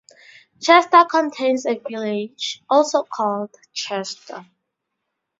Chester contains a village, also called Chester.